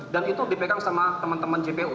dan itu dipegang sama teman teman gpu